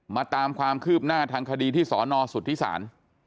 ตามความคืบหน้าทางคดีที่สนสุธิศาล